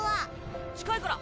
近いから。